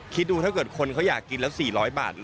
คิดดูถ้าเกิดคนเขาอยากกินแล้ว๔๐๐บาท